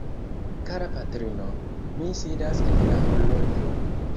Kara patrino, mi sidas en la horloĝo.